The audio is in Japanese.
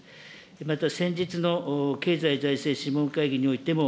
また先日の経済財政諮問会議においても、